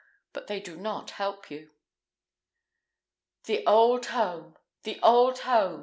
but they do not help you." "The old home! the old home!"